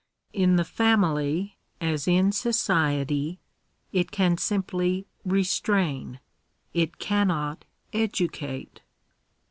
In the family, as in society, it pan simply restrain; it cannot educate.